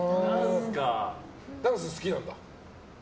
ダンス好きなんだ。